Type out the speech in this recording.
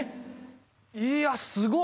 いやすごっ